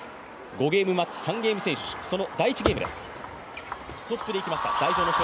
５ゲームマッチ、３ゲーム先取その第１ゲームです。